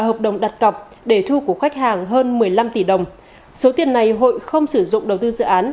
hợp đồng đặt cọc để thu của khách hàng hơn một mươi năm tỷ đồng số tiền này hội không sử dụng đầu tư dự án